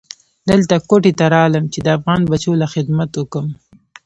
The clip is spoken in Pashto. دلته کوټې ته رالم چې د افغان بچو له خدمت اوکم.